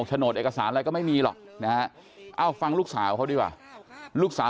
คือนายชำนาญเขาก็บอกว่า